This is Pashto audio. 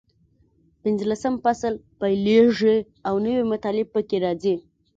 پینځلسم فصل پیلېږي او نوي مطالب پکې راځي.